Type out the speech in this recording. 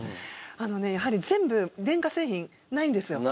あのねやはり全部電化製品ないんですよ。